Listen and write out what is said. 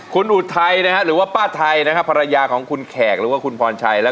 คุณอุทัยหรือว่าป้าไทยภารยาของคุณแขกและก็คุณพาวนชัย